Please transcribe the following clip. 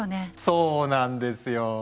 そうなんですよ。